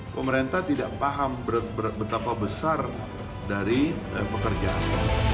pemerintah tidak paham betapa besar dari pekerjaan